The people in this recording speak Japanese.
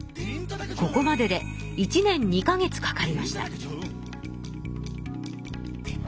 ここまでで１年２か月かかりました。